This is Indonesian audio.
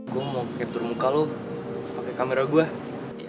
gue mau captur muka lo pakai kamera gue